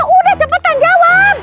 udah cepetan jawab